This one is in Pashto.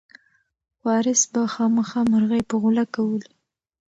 وارث به خامخا مرغۍ په غولکه ولي.